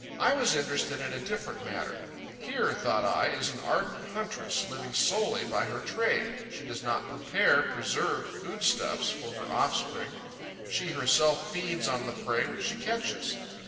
I was interested in a different matter. Here, thought I, is an ardent huntress, living solely by her trade. She does not prepare preserved foodstuffs for her offspring; she herself feeds on the prey which she catches.